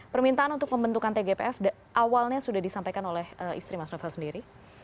permintaan untuk membentukkan tgpf awalnya sudah disampaikan oleh istri mas novel sendiri